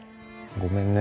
ごめんね。